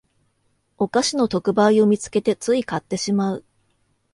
お菓子の特売を見つけてつい買ってしまう